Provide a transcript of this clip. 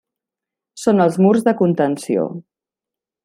Són els murs de contenció.